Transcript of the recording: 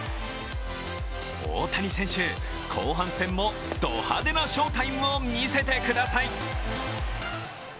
大谷選手、後半戦もド派手な翔タイムを見せてください！